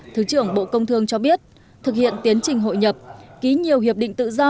thứ trưởng bộ công thương cho biết thực hiện tiến trình hội nhập ký nhiều hiệp định tự do